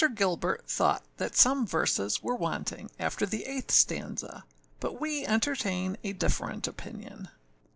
Gilbert thought that some verses were wanting after the eighth stanza; but we entertain a different opinion.